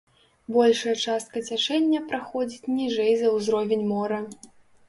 Большая частка цячэння праходзіць ніжэй за ўзровень мора.